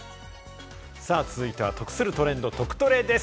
続いては得するトレンド、トクトレです。